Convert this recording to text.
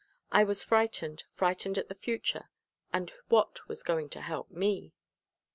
I was frightened, frightened at the future, and what was going to help me?